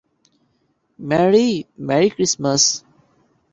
Mary, merry Christmas!